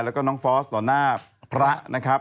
แล้วก็น้องฟอล์สต่อหน้าพระ